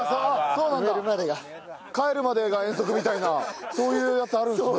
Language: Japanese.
帰るまでが遠足みたいなそういうやつあるんですね。